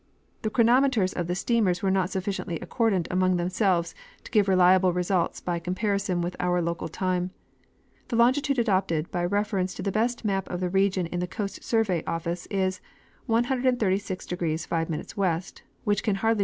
The chronometers of the steamers were not sufficiently accordant among themselves to give reliable results by comparison with our local time. The longitude adopted by reference to the best map of the region in the Coast Survey office is 136° 5' W., which can hardly.